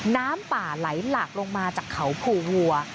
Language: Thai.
น้ำป่าไหลหลากลงมาจากเขาภูวัว